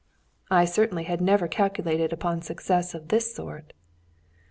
] I certainly had never calculated upon success of this sort.